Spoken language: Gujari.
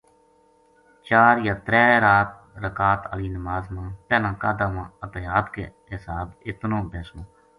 چار یا ترے رکات آلی نماز ما پہلا قعدہ ما اتحیات کے حساب اتنو بیسنو۔